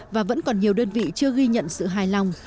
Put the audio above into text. và vẫn còn nhiều đơn vị chưa ghi nhận sự hài lòng